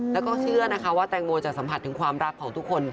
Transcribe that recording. แล้วก็เชื่อนะคะว่าแตงโมจะสัมผัสถึงความรักของทุกคน